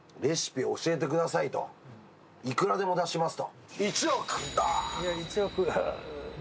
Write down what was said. これ、もしレシピ教えてくださいと、いくらでも出しますと。